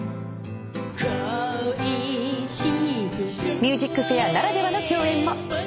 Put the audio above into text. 『ＭＵＳＩＣＦＡＩＲ』ならではの共演も。